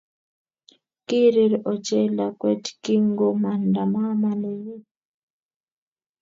Kirir ochei lakwet kingomanda mama nenyi